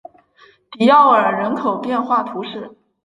迪奥尔人口变化图示